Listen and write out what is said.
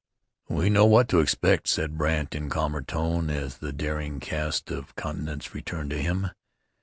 "We know what to expect," said Brandt in calmer tone as the daring cast of countenance returned to him.